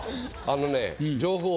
あのね。